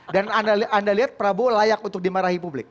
dan anda lihat prabowo layak untuk dimarahi publik